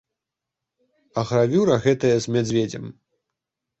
А гравюра гэтая з мядзведзем.